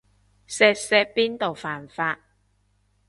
錫錫邊度犯法